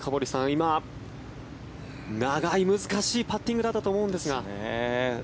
今、長い、難しいパッティングだったと思うんですが。